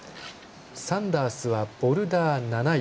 サンダースはボルダー７位。